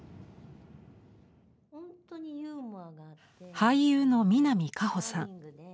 俳優の南果歩さん。